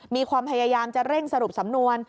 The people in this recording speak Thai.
มีความพยายามจะเร่งสรุปสำนวน